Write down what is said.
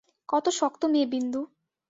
কত শক্ত মেয়ে বিন্দু।